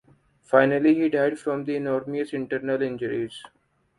Finally he died from the enormous internal injuries.